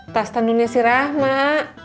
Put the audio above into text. tas tanunya si rah mak